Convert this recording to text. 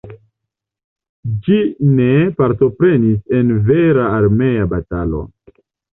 Ĝi ne partoprenis en vera armea batalo.